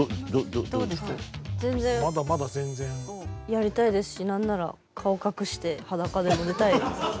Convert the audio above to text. やりたいですし何なら顔隠して裸でも出たいです。